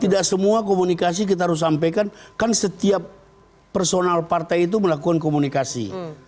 tidak semua komunikasi kita harus sampaikan kan setiap personal partai itu melakukan komunikasi